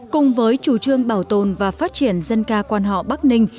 cùng với chủ trương bảo tồn dân ca quan họ bắc ninh